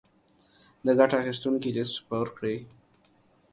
د ګټه اخيستونکو ليست خپور کړي.